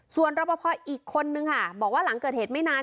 ส่วนรับประพ่ออีกคนนึงบอกว่าหลังเกิดเหตุไม่นาน